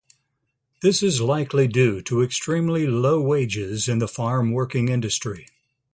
This is likely due to extremely low wages in the farm-working industry.